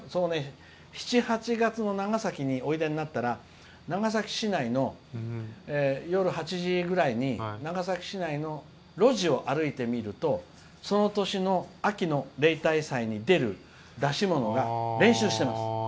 ７８月の長崎においでになったら長崎市内の夜８時ぐらいに長崎市内の路地を歩いてみるとその年の秋の例大祭に出る出し物が練習してます。